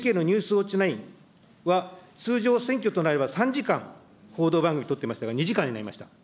ウオッチ９は、通常、選挙となれば、３時間、報道番組取ってましたが２時間になりました。